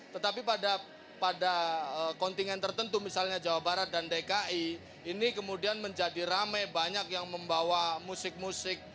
tetapi pada kontingen tertentu misalnya jawa barat dan dki ini kemudian menjadi rame banyak yang membawa musik musik